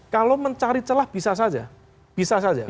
kalau mencari celah bisa saja bisa saja